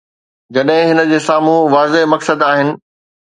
جڏهن هن جي سامهون واضح مقصد آهن.